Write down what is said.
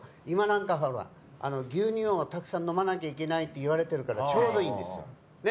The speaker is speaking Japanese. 今なんかさ牛乳をたくさん飲まなきゃいけないって言われてるからちょうどいいんですよ。